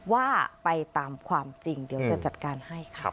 ว่าไปตามความจริงเดี๋ยวจะจัดการให้ค่ะ